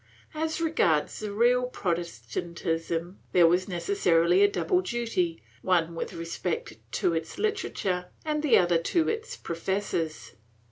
As regards the real Protestantism, there was necessarily a double duty, one with respect to its literature and the other to its professors.